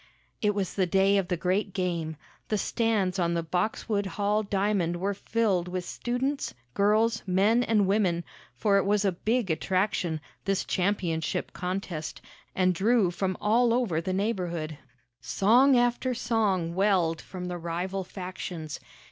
It was the day of the great game. The stands on the Boxwood Hall diamond were filled with students, girls, men and women, for it was a big attraction, this championship contest, and drew from all over the neighborhood. Song after song welled from the rival factions.